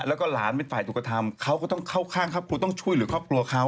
แล้วก็หลานเป็นฝ่ายถูกกระทำเขาก็ต้องเข้าข้างครอบครัวต้องช่วยเหลือครอบครัวเขา